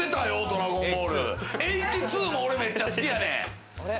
『Ｈ２』も俺めっちゃ好きやねん。